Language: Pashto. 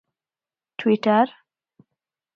ټویټر